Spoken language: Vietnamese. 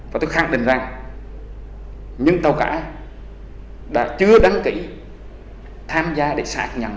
và tôi khẳng định rằng những tàu cá đã chưa đăng ký tham gia để xác nhận